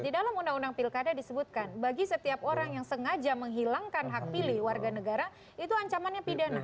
di dalam undang undang pilkada disebutkan bagi setiap orang yang sengaja menghilangkan hak pilih warga negara itu ancamannya pidana